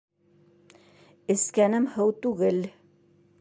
Эскәнем һыу түгел.